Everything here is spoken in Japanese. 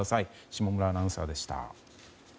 下村アナウンサーでした。